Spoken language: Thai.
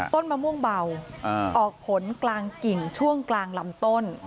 ต้นมะม่วงเบาออกผลกลางกิ่งช่วงกลางลำต้น